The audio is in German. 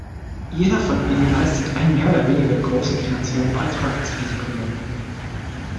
Jeder von ihnen leistet einen mehr oder weniger großen finanziellen Beitrag zu diesen Projekten.